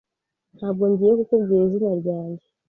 Ntabwo ngiye kukubwira izina ryanjye.